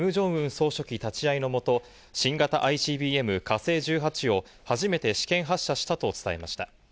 総書記立ち会いのもと、新型ＩＣＢＭ「火星１８」を初めて試験発射したと伝えました。